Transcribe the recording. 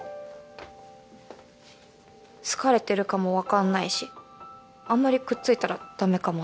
好かれてるかも分かんないしあんまりくっついたらんっ。